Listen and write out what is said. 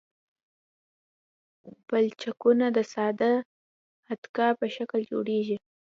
پلچکونه د ساده اتکا په شکل جوړیږي